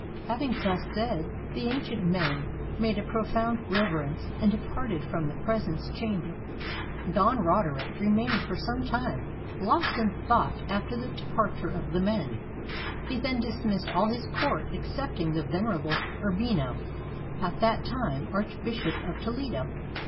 Having thus said, the ancient men made a profound reverence and departed from the presence chamber. Don Roderick remained for some time lost in thought after the departure of the men ; he then dismissed all his court excepting the venerable Urbino, at that time Archbishop of Toledo.